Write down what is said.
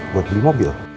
buat beli mobil